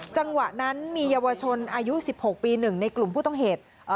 จังหวะนั้นมีเยาวชนอายุ๑๖ปี๑ในกลุ่มผู้ต้องหา